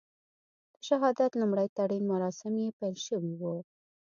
د شهادت لومړي تلین مراسم یې پیل شوي وو.